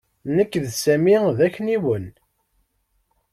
Nekk d Sami d akniwen.